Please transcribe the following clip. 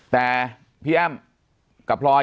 แต่พี่แอ้มกับพลอย